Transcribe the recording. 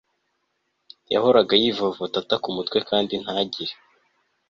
Yahoraga yivovota ataka umutwe kandi ntagire